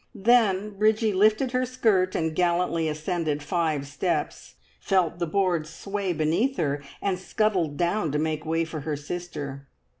Then Bridgie lifted her skirt and gallantly ascended five steps, felt the boards sway beneath her, and scuttled down to make way for her sister.